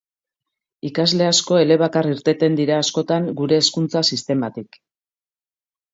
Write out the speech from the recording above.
Ikasle asko elebakar irteten dira askotan gure hezkuntza sistematik.